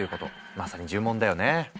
まさに呪文だよね。